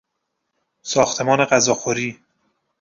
ساختمان غذاخوری